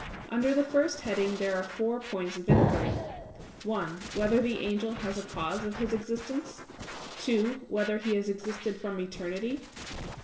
Under the first heading there are four points of inquiry: (1) Whether the angel has a cause of his existence? (2) Whether he has existed from eternity?